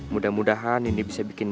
mudah mudahan ini bisa bikin